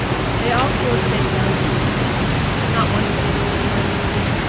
They all four sate down to dinner, but not one of them was inclined to eat.